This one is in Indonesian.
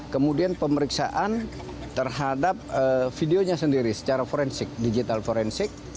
kemudian pemeriksaan terhadap videonya sendiri secara forensik digital forensik